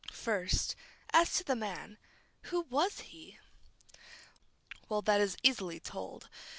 First: As to the man. Who was he? Well, that is easily told.